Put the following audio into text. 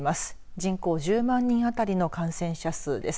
人口１０万人あたりの感染者数です。